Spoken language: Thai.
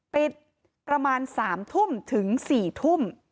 ปิดประมาณ๓ทุ่มถึง๔ทุ่ม